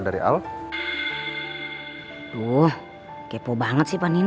dari aluh aluh kepo banget sih panino